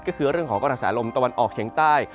ก็คือเรื่องของกระแสลมตะวันออกเฉียงใต้